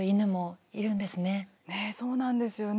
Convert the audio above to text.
ねえそうなんですよね。